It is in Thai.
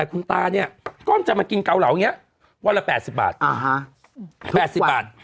คุณตาเนี้ยก้อนจะมากินเกาเหล่าอย่างเงี้ยวันละแปดสิบบาทอ่าฮะแปดสิบบาท